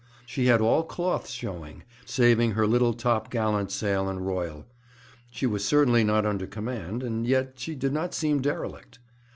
She had all cloths showing, saving her little top gallant sail and royal. She was certainly not under command, and yet she did not seem derelict.